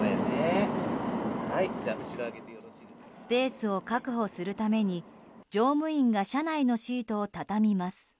スペースを確保するために乗務員が車内のシートを畳みます。